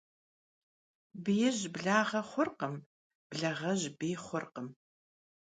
Biij blağe xhurkhım, blağej biy xhurkhım.